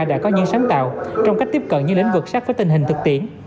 đã có những sáng tạo trong cách tiếp cận những lĩnh vực sát với tình hình thực tiễn